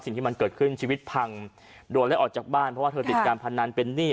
สิ่งที่มันเกิดขึ้นชีวิตพังโดนไล่ออกจากบ้านเพราะว่าเธอติดการพนันเป็นหนี้